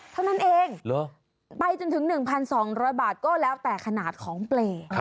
เท่านั้นเองไปจนถึง๑๒๐๐บาทก็แล้วแต่ขนาดของเปรย์